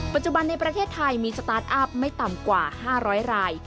ปัจจุบันในประเทศไทยมีสตาร์ทอัพไม่ต่ำกว่า๕๐๐ราย